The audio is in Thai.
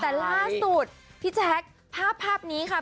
แต่ล่าสุดพี่แจ๊คภาพนี้ค่ะ